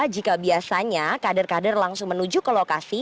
jika biasanya kader kader langsung menuju ke lokasi